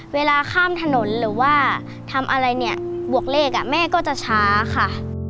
เวลาข้ามถนนหรือว่าทำอะไรเนี่ยบวกเลขแม่ก็จะช้าค่ะ